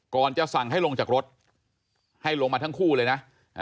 ก่อนจะสั่งให้ลงจากรถให้ลงมาทั้งคู่เลยนะ